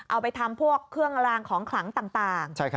เอาไปทำพวกเครื่องรางของขลังต่าง